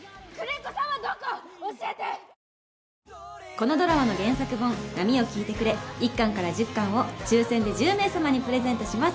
このドラマの原作本『波よ聞いてくれ』１巻から１０巻を抽選で１０名様にプレゼントします。